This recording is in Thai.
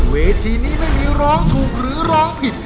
เวทีนี้ไม่มีร้องถูกหรือร้องผิด